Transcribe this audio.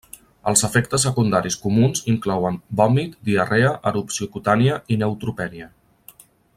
Els efectes secundaris comuns inclouen vòmit, diarrea erupció cutània, i neutropènia.